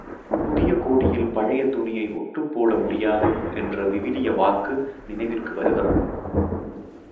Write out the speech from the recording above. புதிய கோடியில் பழைய துணியை ஒட்டுப் போட முடியாது என்ற விவிலிய வாக்கு நினைவிற்கு வருகிறது.